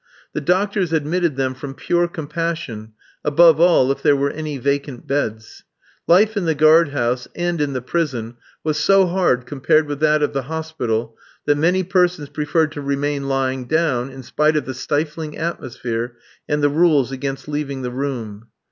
The doctors admitted them from pure compassion, above all, if there were any vacant beds. Life in the guard house and in the prison was so hard compared with that of the hospital, that many persons preferred to remain lying down in spite of the stifling atmosphere and the rules against leaving the room.